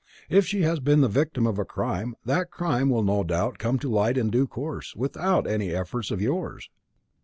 If she has been the victim of a crime, that crime will no doubt come to light in due course, without any efforts of yours."